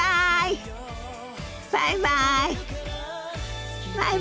バイバイ。